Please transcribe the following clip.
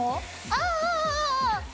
ああ。